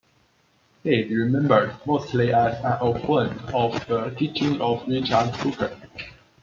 He is remembered mostly as an opponent of the teaching of Richard Hooker.